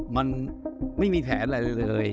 มันไม่มีแผนอะไรเลย